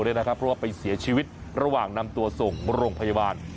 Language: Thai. เพราะว่าไปเสียชีวิตระหว่างนำตัวส่งโรงพยาบาล